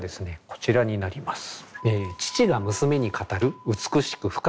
こちらになります。